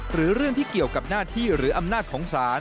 หรือเรื่องที่เกี่ยวกับหน้าที่หรืออำนาจของศาล